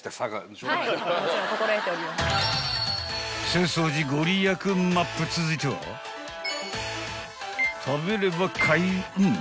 ［浅草寺御利益マップ続いては食べれば開運？］